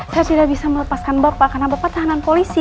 saya tidak bisa melepaskan bapak karena bapak tahanan polisi